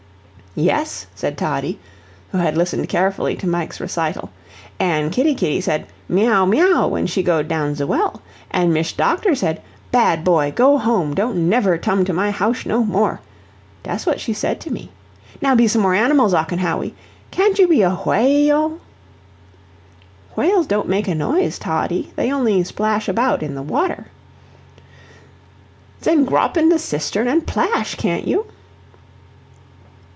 "Yes," said Toddie, who had listened carefully to Mike's recital, "an' kitty kitty said, 'Miauw! Miauw!' when she goed down ze well. An' Mish Doctor sed, 'Bad boy go home don't never tum to my housh no more,' dat's what she said to me. Now be some more animals, Ocken Hawwy. Can't you be a whay al?" "Whales don't make a noise, Toddie; they only splash about in the water." "Zen grop in the cistern an' 'plash, can't you?"